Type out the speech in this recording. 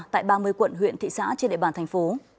tại ba mươi quận huyện thị xã trên địa bàn thành phố